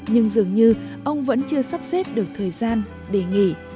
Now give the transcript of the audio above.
nhưng dường như ông vẫn chưa sắp xếp được thời gian để nghỉ